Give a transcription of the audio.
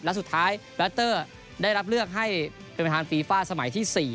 และสุดท้ายแรตเตอร์ได้รับเลือกให้เป็นประธานฟีฟ่าสมัยที่๔